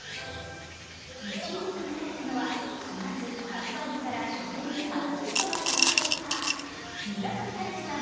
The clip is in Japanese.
１位に輝いたのは、４月、発売日から書店にハルキストが殺到した村上春樹さん